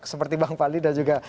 seperti bang fadli dan juga